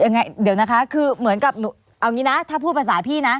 ยังไงเดี๋ยวนะคะคือเหมือนกับเอางี้นะถ้าพูดภาษาพี่นะ